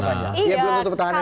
iya belum tentu petahana